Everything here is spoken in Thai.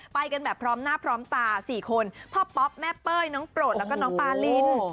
ไปกันแบบพร้อมหน้าพร้อมตา๔คนพ่อป๊อปแม่เป้ยน้องโปรดแล้วก็น้องปาลิน